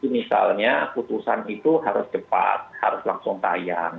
misalnya putusan itu harus cepat harus langsung tayang